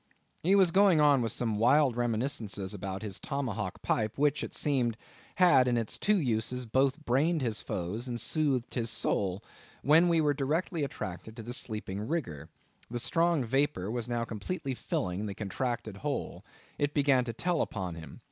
He was going on with some wild reminiscences about his tomahawk pipe, which, it seemed, had in its two uses both brained his foes and soothed his soul, when we were directly attracted to the sleeping rigger. The strong vapor now completely filling the contracted hole, it began to tell upon him.